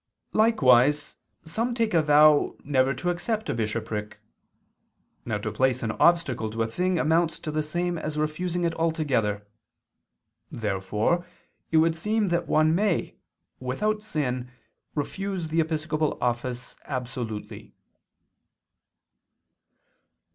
(Cf. Baronius, Anno Christi, 45, num. XLIV)] Likewise some take a vow never to accept a bishopric. Now to place an obstacle to a thing amounts to the same as refusing it altogether. Therefore it would seem that one may, without sin, refuse the episcopal office absolutely.